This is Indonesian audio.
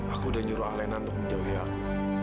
aku udah nyuruh alena untuk menjauhi aku